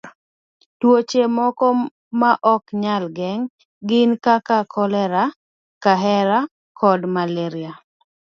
Tuoche moko ma ok nyal geng' gin kaka kolera, kahera, kod malaria.